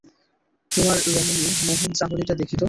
তোমার রমণী মোহন চাহনিটা দেখি তো।